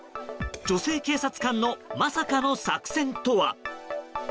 女性警察官のまさかの作戦とは。